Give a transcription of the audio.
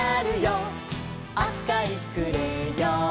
「あかいクレヨン」